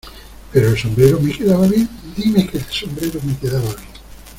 ¿ Pero el sombrero me quedaba bien? Dime que el sombrero me quedaba bien.